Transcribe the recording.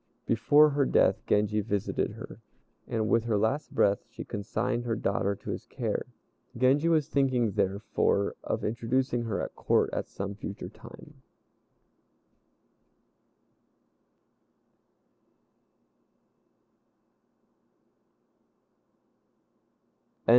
Before her death Genji visited her, and with her last breath she consigned her daughter to his care. Genji was thinking, therefore, of introducing her at Court at some future time.